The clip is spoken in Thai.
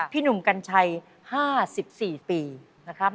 พี่หนุ่มกัญชัย๕๔ปีนะครับ